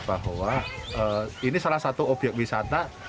bahwa ini salah satu obyek wisata